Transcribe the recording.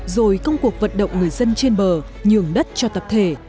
rồi công cuộc vận động người dân trên bờ nhường đất cho tập thể